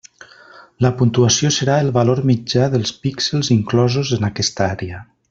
La puntuació serà el valor mitjà dels píxels inclosos en aquesta àrea.